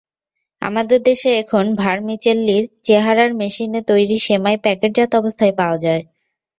আমাদের দেশে এখন ভারমিচেল্লির চেহারার মেশিনে তৈরি সেমাই প্যাকেটজাত অবস্থায় পাওয়া যায়।